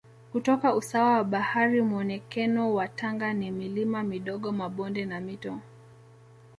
kutoka usawa wa bahari Muonekeno wa Tanga ni milima midogo mabonde na Mito